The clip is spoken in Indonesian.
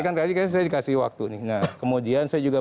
saya dikasih waktu nah kemudian saya juga